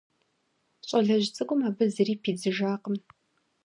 Щӏалэжь цӏыкӏум абы зыри пидзыжакъым.